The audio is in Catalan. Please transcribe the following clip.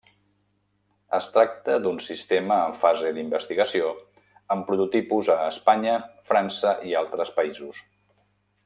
Es tracta d'un sistema en fase d'investigació, amb prototipus a Espanya, França i altres països.